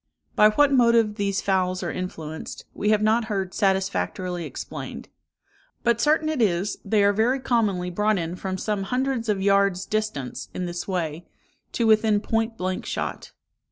By what motive these fowls are influenced, we have not heard satisfactorily explained; but certain it is, they are very commonly brought in from some hundreds of yards' distance, in this way, to within point blank shot.